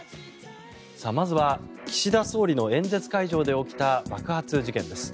まずは岸田総理の演説会場で起きた爆発事件です。